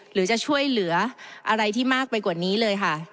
หรือจะช่วยเหลืออะไรที่มากไปกว่านี้เลยค่ะ